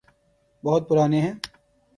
بہت پرانے ہیں۔